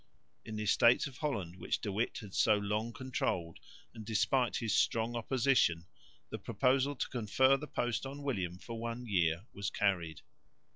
In the Estates of Holland, which De Witt had so long controlled, and despite his strong opposition, the proposal to confer the post on William for one year was carried.